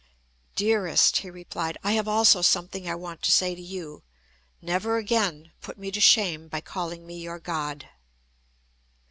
"Dearest," he replied, "I have also something I want to say to you. Never again put me to shame by calling me your God."